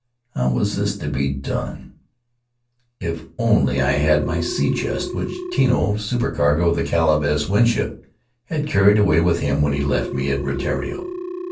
How was this to be done? If only I had my sea chest which Tino, supercargo of the Caleb S. Winship, had carried away with him when he left me at Rutiaro!